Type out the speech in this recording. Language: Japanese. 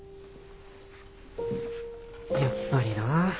やっぱりなあ。